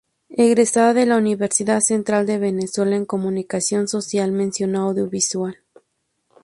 Egresada de la Universidad Central de Venezuela en Comunicación social mención Audiovisual.